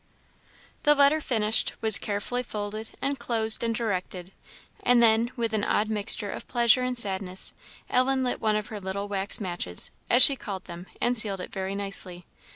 The letter finished, was carefully folded, enclosed, and directed; and then, with an odd mixture of pleasure and sadness, Ellen lit one of her little wax matches, as she called them, and sealed it very nicely.